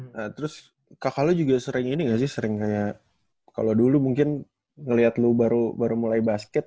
nah terus kakak lo juga sering ini gak sih sering kayak kalau dulu mungkin ngeliat lo baru mulai basket